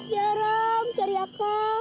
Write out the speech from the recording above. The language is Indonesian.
ya ram cari akal